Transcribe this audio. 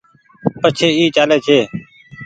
پڇي اي چآلي ڇي۔